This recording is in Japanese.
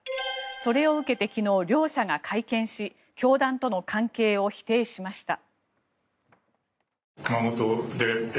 それを受けて昨日、両者が会見し教団との関係を否定しました。